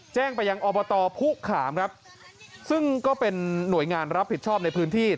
แจ้งไปยังอบตผู้ขามครับซึ่งก็เป็นหน่วยงานรับผิดชอบในพื้นที่